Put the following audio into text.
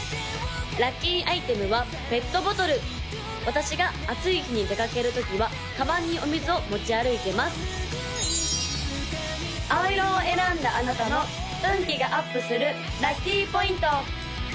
・ラッキーアイテムはペットボトル私が暑い日に出かける時はかばんにお水を持ち歩いてます青色を選んだあなたの運気がアップするラッキーポイント！